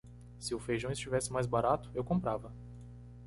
Se o feijão estivesse mais barato, eu comprava